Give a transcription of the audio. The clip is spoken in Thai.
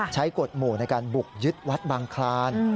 กฎหมู่ในการบุกยึดวัดบางคลาน